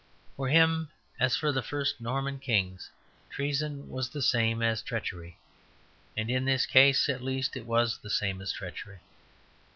For him, as for the first Norman kings, treason was the same as treachery; and in this case at least it was the same as treachery.